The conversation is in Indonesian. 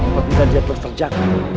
maka bila dia terus berjaga